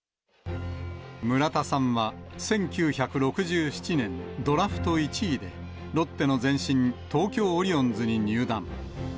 村田さんは、１９６７年、ドラフト１位で、ロッテの前身、東京オリオンズに入団。